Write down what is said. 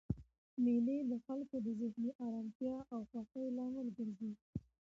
مېلې د خلکو د ذهني ارامتیا او خوښۍ لامل ګرځي.